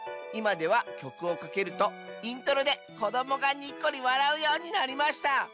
いまではきょくをかけるとイントロでこどもがにっこりわらうようになりました。